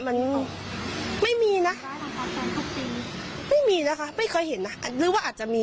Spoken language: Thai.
มันไม่มีนะไม่มีนะคะไม่เคยเห็นนะหรือว่าอาจจะมี